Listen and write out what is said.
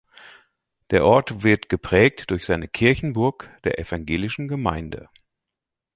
Der Ort wird geprägt durch seine Kirchenburg der evangelischen Gemeinde.